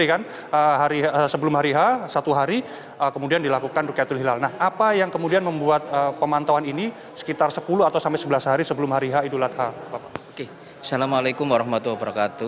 assalamualaikum wr wb